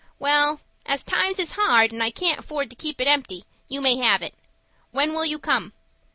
"Well, as times is hard, and I can't afford to keep it empty, you may have it. When will you come?"